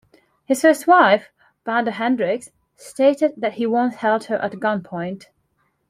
His first wife, Wanda Hendrix, stated that he once held her at gunpoint.